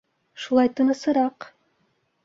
Шулай тынысыраҡ.